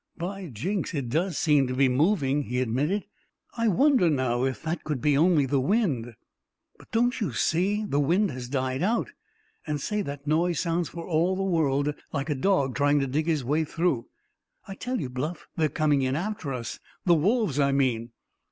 "By Jinks, it does seem to be moving!" he admitted. "Wonder now if that could be only the wind?" "But, don't you see, the wind has died out. And, say, that noise sounds for all the world like a dog trying to dig his way through. I tell you, Bluff, they're coming in after us—the wolves, I mean!"